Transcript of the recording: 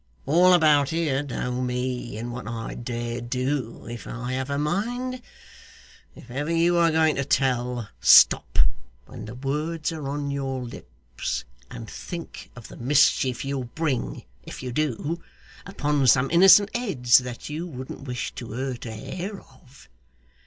All about here know me, and what I dare do if I have a mind. If ever you are going to tell, stop when the words are on your lips, and think of the mischief you'll bring, if you do, upon some innocent heads that you wouldn't wish to hurt a hair of.